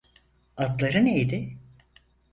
Adları neydi?